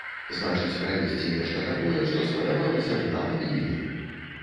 Значыць правесці нешта такое, што спадабалася б нам і ім.